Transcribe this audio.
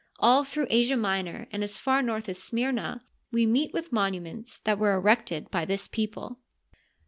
All through Asia Minor and as far north as Smyrna we meet with monuments that were erected by this people.